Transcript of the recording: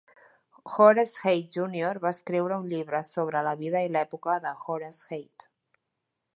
Horace Heidt júnior va escriure un llibre sobre la vida i l'època d'Horace Heidt.